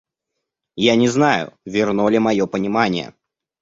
Я не знаю, верно ли мое понимание.